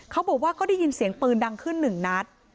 เขาบอกว่าก็ได้ยินเสียงปืนดังขึ้นหนึ่งนัด